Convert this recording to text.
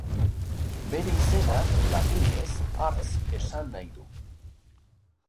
Bere izenak latinez hartz esan nahi du.